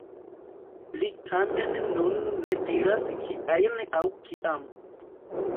Li tamen nun ne diras kiajn aŭ kiam.